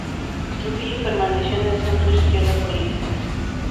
Trujillo permaneció en el centro-izquierda política.